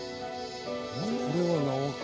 これは縄か。